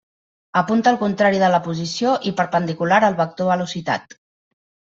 Apunta el contrari de la posició i perpendicular al vector velocitat.